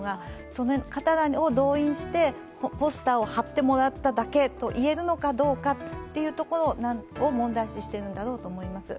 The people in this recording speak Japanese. その方らを動員してポスターを貼ってもらっただけと言えるのかどうえかというところを問題視しているのだろうと思います。